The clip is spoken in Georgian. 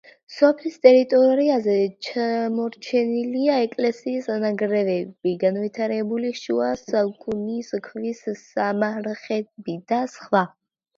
სოფლის ტერიტორიაზე შემორჩენილია ეკლესიის ნანგრევები, განვითარებული შუა საუკუნის ქვის სამარხები და სხვა.